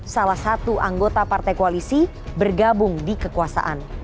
salah satu anggota partai koalisi bergabung di kekuasaan